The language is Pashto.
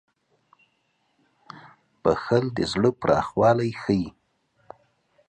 • بښل د زړه پراخوالی ښيي.